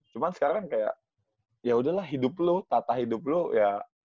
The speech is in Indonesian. cuman sekarang kayak yaudahlah hidup lu tata hidup lu ya